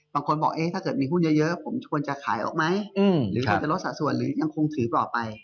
บางคนบอกถ้าเกิดมีหุ้นเยอะผมควรจะขายออกไหมหรือควรจะลดสัดส่วนหรือยังคงถือต่อไป